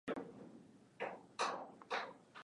Hakikisha nyama haiivi sana kabla hujaiepua na kuweka pembeni